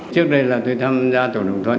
trước đây là tôi tham gia tổ đồng thuận